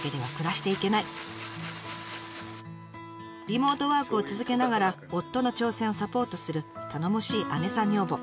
リモートワークを続けながら夫の挑戦をサポートする頼もしい姉さん女房。